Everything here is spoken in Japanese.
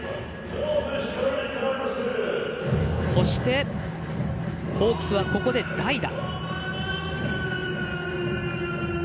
そしてホークスはここで代打。